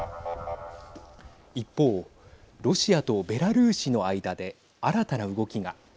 一方、ロシアとベラルーシの間で新たな動きが。